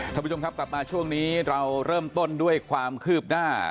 ท่านผู้ชมครับกลับมาช่วงนี้เราเริ่มต้นด้วยความคืบหน้า